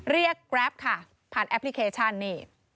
เรียกกราฟคาร์ผ่านแอปพลิเคชันนี้